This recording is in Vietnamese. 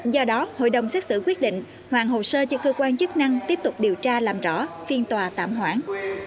do đó hội đồng xét xử quyết định hoàn hồ sơ cho cơ quan chức năng tiếp tục điều tra làm rõ phiên tòa tạm hoãn